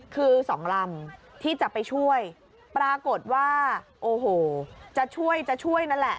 คือสองลำที่จะไปช่วยปรากฏว่าโอ้โหจะช่วยจะช่วยนั่นแหละ